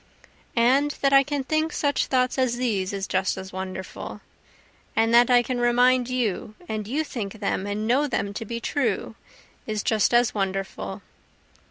And that I can think such thoughts as these is just as wonderful, And that I can remind you, and you think them and know them to be true, is just as wonderful.